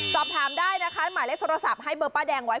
สอบถามได้นะคะหมายเลขโทรศัพท์ให้เบอร์ป้าแดงไว้